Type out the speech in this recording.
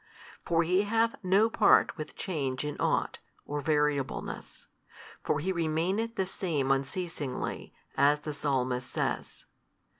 For He hath no part with change in ought, or variableness: for He remaineth the Same unceasingly, as the Psalmist says.